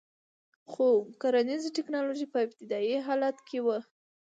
خو کرنیزه ټکنالوژي په ابتدايي حالت کې وه